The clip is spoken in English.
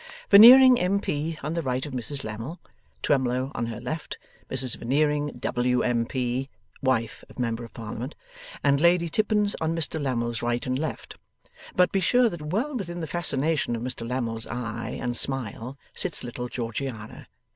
Veneering, M.P., on the right of Mrs Lammle; Twemlow on her left; Mrs Veneering, W.M.P. (wife of Member of Parliament), and Lady Tippins on Mr Lammle's right and left. But be sure that well within the fascination of Mr Lammle's eye and smile sits little Georgiana.